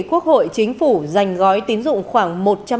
quốc hội chính phủ dành gói tín dụng khoảng